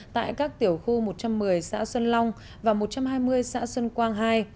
tại các tiểu khu một trăm một mươi xã xuân long và một trăm hai mươi xã xuân quang hai